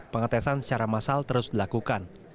pengetesan secara massal terus dilakukan